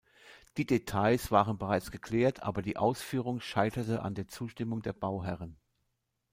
Die Details waren bereits geklärt, aber die Ausführung scheiterte an der Zustimmung der Bauherren.